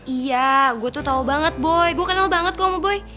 iya gue tuh tau banget boy gue kenal banget sama boy